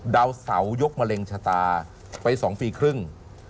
ดาวเสายกมะเร็งชะตาไป๒ปีครึ่ง